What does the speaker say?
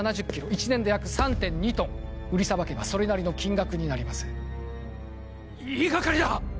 １年で約３．２トン売りさばけばそれなりの金額になります言いがかりだ！